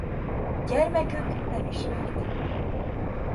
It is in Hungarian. Gyermekük nem ismert.